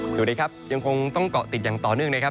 สวัสดีครับยังคงต้องเกาะติดอย่างต่อเนื่องนะครับ